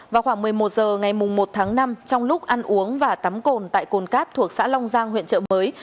vào khoảng một mươi một h ngày một tháng năm trong lúc ăn uống và tắm cồn tại cồn cát thuộc xã long giang huyện trợ mới